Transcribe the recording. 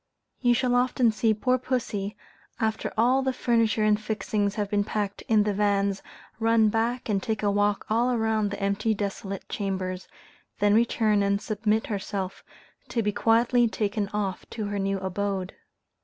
You shall often see poor pussy, after all the furniture and fixings have been packed in the vans, run back and take a walk all round the empty desolate chambers, then return and submit herself to be quietly taken off to her new abode.